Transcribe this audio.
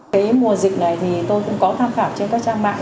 cái mùa dịch này thì tôi cũng có tham khảo trên các trang mạng